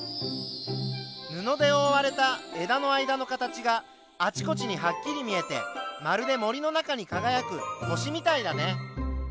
布でおおわれた枝の間の形があちこちにはっきり見えてまるで森の中にかがやく星みたいだね。